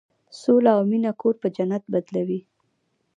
سوله او مینه کور په جنت بدلوي.